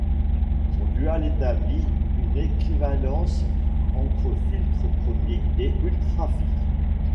Son dual établit une équivalence entre filtres premiers et ultrafiltres.